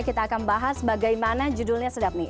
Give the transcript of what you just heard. kita akan bahas bagaimana judulnya sedap nih